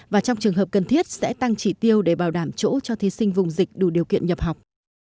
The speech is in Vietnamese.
và trong trường hợp cần thiết sẽ tăng trị tiêu để bảo đảm chỗ cho thí sinh vùng dịch đủ điều kiện nhập học